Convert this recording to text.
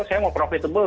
saya mau profitable